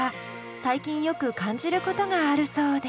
最近よく感じることがあるそうで。